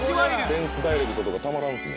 フェンスダイレクトとかたまらんですね。